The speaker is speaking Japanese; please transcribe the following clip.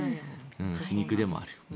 皮肉でもある。